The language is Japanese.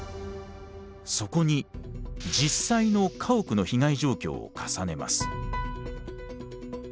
そこに実際の家屋の被害状況を重ねます。